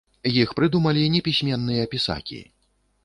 Іх прыдумалі непісьменныя пісакі.